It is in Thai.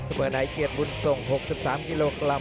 เสมอไหนเกียรติบุญสงฆ์๖๓กิโลกรัม